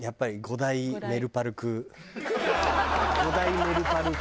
５大メルパルク。